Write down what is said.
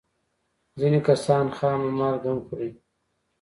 ځینې کسان خامه مالګه هم خوري.